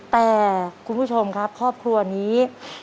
แต่คุณผู้ชมครับครอบครัวนี้